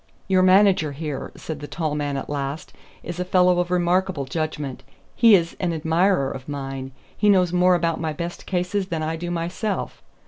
"Your manager here," said the tall man at last, "is a fellow of remarkable judgment. He is an admirer of mine. He knows more about my best cases than I do myself.